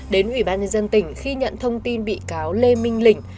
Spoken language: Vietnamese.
đến ủy ban nhân dân tỉnh khi nhận thông tin bị cáo lê minh lĩnh